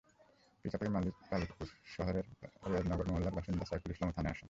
পিকআপের মালিক পার্বতীপুর শহরের রেয়াজনগর মহল্লার বাসিন্দা সাইফুল ইসলামও থানায় আসেন।